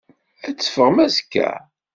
Ad teffɣem azekka?